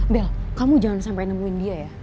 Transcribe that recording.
bel kamu jangan sampai nemuin dia ya